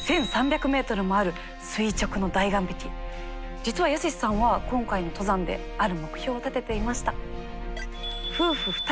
実は泰史さんは今回の登山である目標を立てていました。